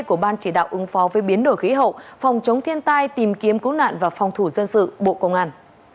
của ban chỉ đạo ứng phó với biến đổi khí hậu phòng chống thiên tai tìm kiếm cứu nạn và phòng thủ dân sự bộ công an